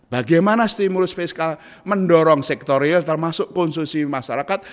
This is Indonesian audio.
bagaimana stimulus fiskal mendorong sektor real termasuk konsumsi masyarakat